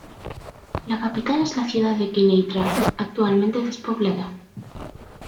La capital es la ciudad de Quneitra, actualmente despoblada.